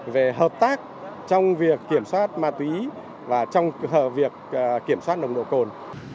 về hợp tác trong việc kiểm soát ma túy và trong việc kiểm soát nồng độ cồn